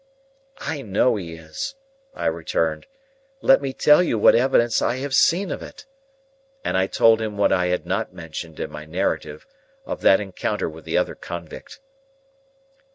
"I know he is," I returned. "Let me tell you what evidence I have seen of it." And I told him what I had not mentioned in my narrative, of that encounter with the other convict.